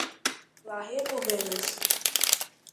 La reĝo venas.